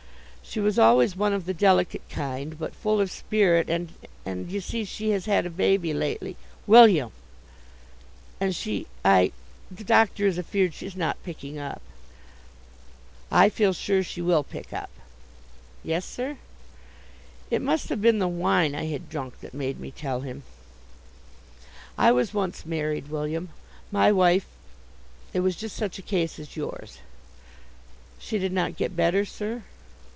"She was always one of the delicate kind, but full of spirit, and and you see she has had a baby lately " "William!" "And she I the doctor is afeard she's not picking up." "I feel sure she will pick up." "Yes, sir?" It must have been the wine I had drunk that made me tell him: "I was once married, William. My wife it was just such a case as yours." "She did not get better, sir?"